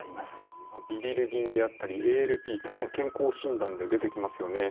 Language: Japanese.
ビリルビンであったりＡＬＰ確かに健康診断で出てきますよね。